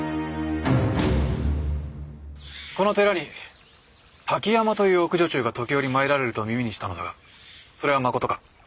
この寺に滝山という奥女中が時折参られると耳にしたのだがそれはまことか？